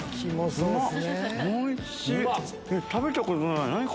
食べたことない！